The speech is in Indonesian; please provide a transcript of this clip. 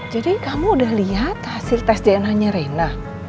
jadi kamu udah liat hasil tes dna nya rena